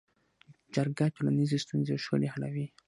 جرګه ټولنیزې ستونزې او شخړې حلوي